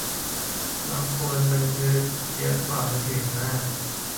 บางคนบันทึกเยอะกว่าคนอื่นมาก